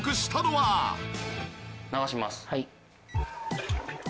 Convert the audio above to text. はい。